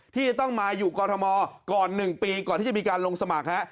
ที่จะต้องมาอยู่กรทมก่อน๑ปีก่อนที่จะมีการลงสมัครฮะ